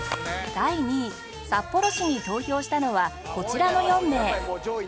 第２位札幌市に投票したのはこちらの４名